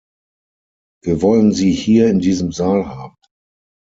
Wir wollen sie hier in diesem Saal haben.